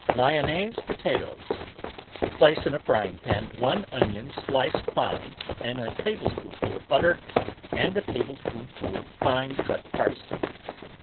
LYONNAISE POTATOES Place in a frying pan one onion sliced fine and a tablespoonful of butter and a tablespoonful of finely cut parsley.